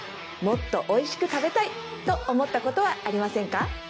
もっとおいしく食べたいと思ったことはありませんか？